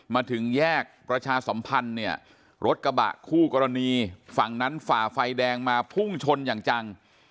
มาถึงแยกประชาสัมพันธ์เนี่ยรถกระบะคู่กรณีฝั่งนั้นฝ่าไฟแดงมาพุ่งชนอย่างจัง